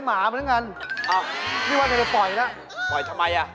หมอเป็นอะไร